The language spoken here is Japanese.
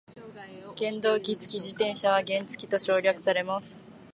原動機付き自転車は原付と省略されます。